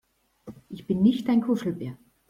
Ich bin nicht dein Kuschelbär!